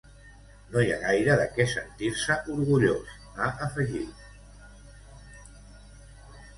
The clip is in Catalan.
No hi ha gaire de què sentir-se orgullós, ha afegit.